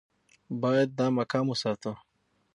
باید دا مقام وساتو.